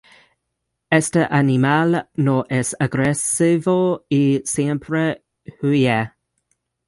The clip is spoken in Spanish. Este animal no es agresivo y siempre huye.